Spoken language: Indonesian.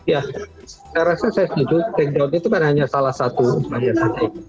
ya saya rasa saya setuju take down itu kan hanya salah satu upaya